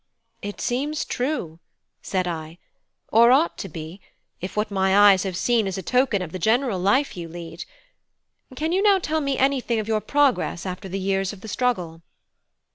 "It seems true," said I, "or ought to be, if what my eyes have seen is a token of the general life you lead. Can you now tell me anything of your progress after the years of the struggle?"